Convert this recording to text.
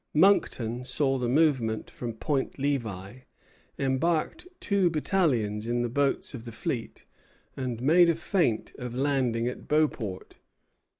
Monckton saw the movement from Point Levi, embarked two battalions in the boats of the fleet, and made a feint of landing at Beauport.